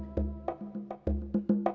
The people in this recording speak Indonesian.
tapi ada alek sedikit